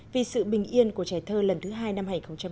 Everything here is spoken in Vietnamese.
vì sự bình yên của trải thơ lần thứ hai năm hai nghìn một mươi chín